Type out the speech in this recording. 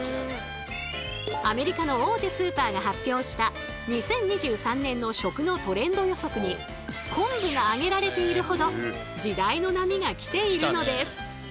アメリカの大手スーパーが発表した２０２３年の食のトレンド予測に昆布が挙げられているほど時代の波が来ているのです。